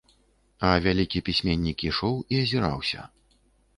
А вялікі пісьменнік ішоў і азіраўся.